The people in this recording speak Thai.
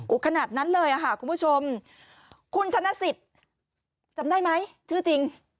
ขนาดนั้นเลยค่ะคุณผู้ชมคุณธนสิทธิ์จำได้ไหมชื่อจริง